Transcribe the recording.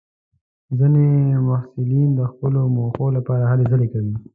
ځینې محصلین د خپلو موخو لپاره هلې ځلې کوي.